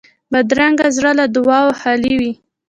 بدرنګه زړه له دعاوو خالي وي